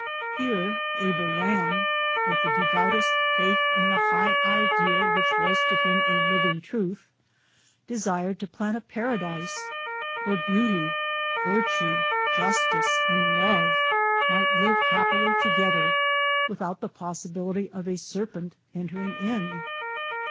Here Abel Lamb, with the de \ voutest faith in the high ideal which was to him a ! living truth, desired to plant a Paradise, where / Beauty, Virtue, Justice, and Love might live happily together, without the possibility of a ser Ipent entering in.